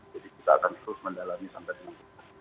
jadi kita akan terus mendalami sampai semakin lama